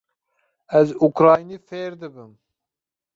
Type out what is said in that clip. Ez ukraynî fêr dibim.